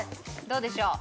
どうでしょう？